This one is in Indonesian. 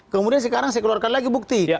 kemudian sekarang saya keluarkan lagi bukti